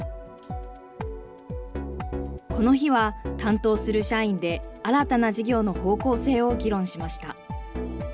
この日は、担当する社員で、新たな事業の方向性を議論しました。